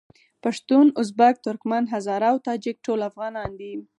پښتون، ازبک، ترکمن، هزاره او تاجک ټول افغانان دي.